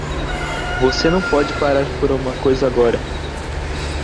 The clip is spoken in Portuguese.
Você não pode parar por uma coisa agora!